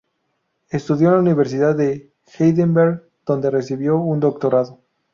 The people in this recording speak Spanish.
Estudió en la Universidad de Heidelberg donde recibió un doctorado.